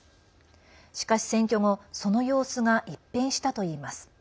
しかし、選挙後その様子が一変したといいます。